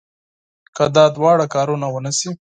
که دا دواړه کارونه ونه شي.